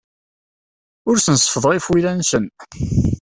Ur asen-seffḍeɣ ifuyla-nsen.